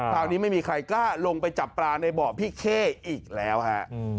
คราวนี้ไม่มีใครกล้าลงไปจับปลาในบ่อพี่เข้อีกแล้วฮะ